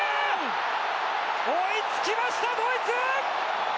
追いつきました、ドイツ！